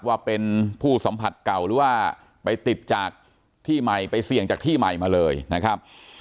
ว่าเป็นผู้สัมผัสเก่าหรือว่าไปติดจากที่ใหม่ไปเสี่ยงจากที่ใหม่มาเลยนะครับ